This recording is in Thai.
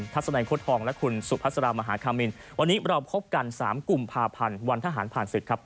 ทัศนัยคดฮองและคุณสุพัสรามหาคามิลวันนี้เราครบกันสามกลุ่มผ่าพันวันทหารผ่านศึกครับ